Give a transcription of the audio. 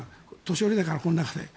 年寄りだから、この中で。